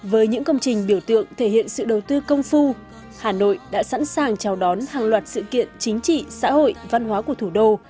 với những công trình biểu tượng thể hiện sự đầu tư công phu hà nội đã sẵn sàng chào đón hàng loạt sự kiện chính trị xã hội văn hóa của thủ đô